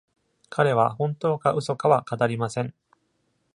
彼は、本当か嘘かは語りません。